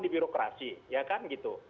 di birokrasi ya kan gitu